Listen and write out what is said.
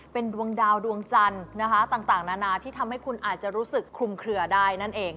เป็นดวงดาวดวงจันทร์นะคะต่างนานาที่ทำให้คุณอาจจะรู้สึกคลุมเคลือได้นั่นเอง